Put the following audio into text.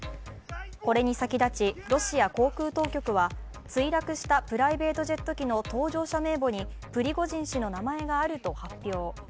これに先立ちロシア航空当局は墜落したプライベートジェット機の搭乗者名簿にプリゴジン氏の名前があると発表